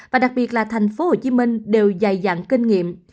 và đặc biệt là thành phố hồ chí minh đều dài dặn kinh nghiệm